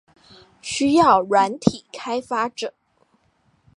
需要軟體開發者